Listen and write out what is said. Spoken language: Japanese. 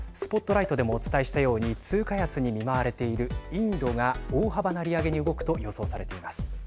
ＳＰＯＴＬＩＧＨＴでもお伝えしたように通貨安に見舞われているインドが、大幅な利上げに動くと予想されています。